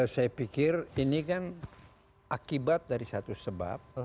saya pikir ini kan akibat dari satu sebab